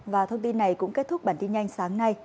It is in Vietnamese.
và thông tin này cũng kết thúc bản tin nhanh sáng nay